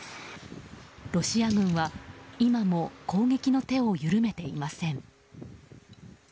ロシア軍は今も攻撃の手を緩めていません。